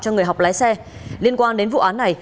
cho người học lái xe liên quan đến vụ án này